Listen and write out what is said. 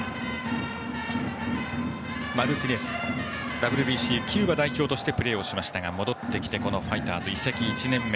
マルティネスＷＢＣキューバ代表としてプレーしましたが戻ってきてファイターズに移籍１年目。